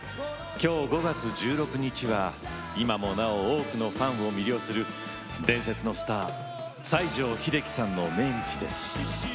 今日５月１６日は今もなお多くのファンを魅了する伝説のスター西城秀樹さんの命日です。